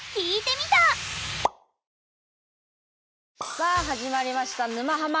さあ始まりました「沼ハマ」。